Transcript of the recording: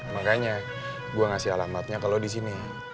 makanya gua ngasih alamatnya ke lo disini